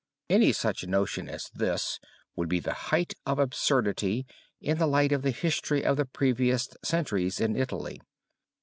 Any such notion as this would be the height of absurdity in the light of the history of the previous centuries in Italy.